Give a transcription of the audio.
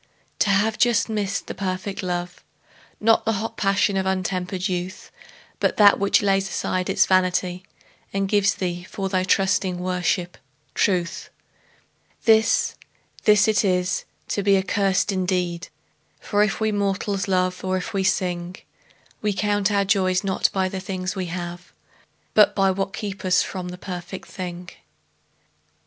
To have just missed the perfect love, Not the hot passion of untempered youth, But that which lays aside its vanity And gives thee, for thy trusting worship, truth— This, this it is to be accursed indeed; For if we mortals love, or if we sing, We count our joys not by the things we have, But by what kept us from the perfect thing.